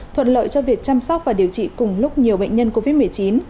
thuận lợi cho việc chăm sóc và điều trị cùng lúc nhiều bệnh nhân covid một mươi chín